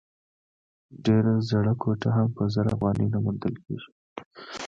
ډېره زړه کوټه هم په زر افغانۍ نه موندل کېده.